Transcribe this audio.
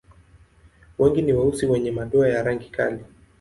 Wengi ni weusi wenye madoa ya rangi kali.